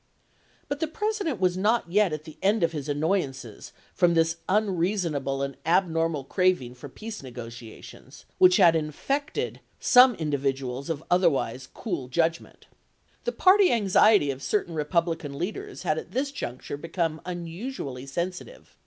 But the President was not yet at the end of his annoyances from this unreasonable and abnorma craving for peace negotiations which had infected 218 ABRAHAM LINCOLN chap. rx. some individuals of otherwise cool judgment. The party anxiety of certain Eepublican leaders had at this juncture become unusually sensitive.